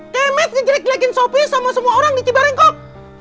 demet ngejrek jrekin sopi sama semua orang di cibarengkok